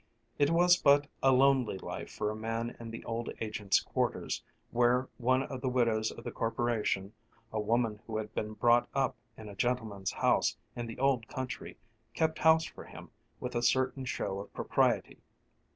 It was but a lonely life for a man in the old agent's quarters where one of the widows of the Corporation, a woman who had been brought up in a gentleman's house in the old country, kept house for him with a certain show of propriety.